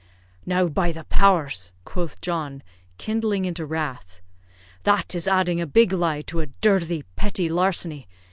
"Now by the powers!" quoth John, kindling into wrath, "that is adding a big lie to a dirthy petty larceny.